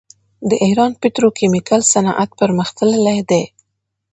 د ایران پتروکیمیکل صنعت پرمختللی دی.